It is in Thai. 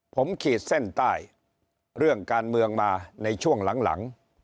ผมขีดเส้นใต้เรื่องการเมืองมาในช่วงหลัง